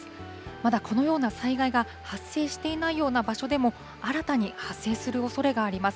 まだこのような災害が発生していないような場所でも、新たに発生するおそれがあります。